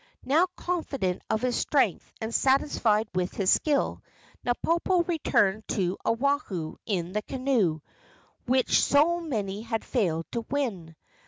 Now confident of his strength and satisfied with his skill, Napopo returned to Oahu in the canoe which so many had failed to win.